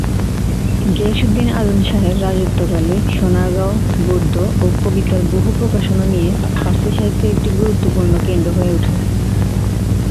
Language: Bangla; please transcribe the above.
গিয়াসউদ্দিন আজম শাহের রাজত্বকালে সোনারগাঁও গদ্য ও কবিতার বহু প্রকাশনা নিয়ে ফার্সি সাহিত্যের একটি গুরুত্বপূর্ণ কেন্দ্র হয়ে ওঠে।